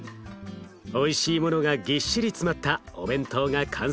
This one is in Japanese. おいしいものがぎっしり詰まったお弁当が完成。